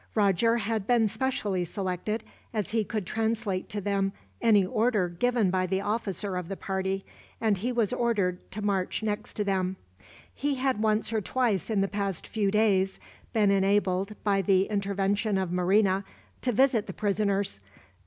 Roger had been specially selected, as he could translate to them any order given by the officer of the party; and he was ordered to march next to them. He had once or twice in the past few days been enabled, by the intervention of Marina, to visit the prisoners.